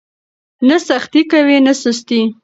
نه سختي کوئ نه سستي.